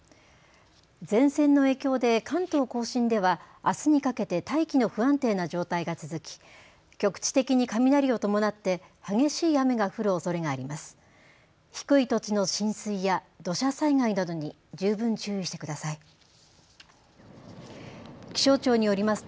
前線の影響で関東甲信ではあすにかけて大気の不安定な状態が続き局地的に雷を伴って激しい雨が降るおそれがあります。